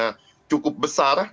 nah cukup besar